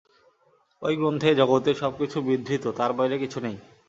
ঐ গ্রন্থেই জগতের সবকিছু বিধৃত, তার বাইরে কিছু নেই।